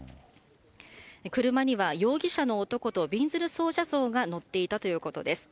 車には容疑者の男とびんずる尊者像が乗っていたということです。